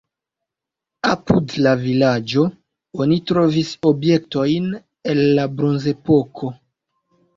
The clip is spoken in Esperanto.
Apud la vilaĝo oni trovis objektojn el la bronzepoko.